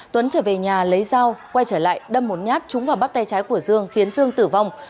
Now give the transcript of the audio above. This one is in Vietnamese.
tuấn trở về nhà lấy dao quay trở lại đâm một nhát trúng vào bắt tay trái của dương khiến dương tử vong